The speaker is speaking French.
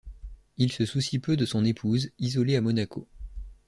Il se soucie peu de son épouse, isolée à Monaco.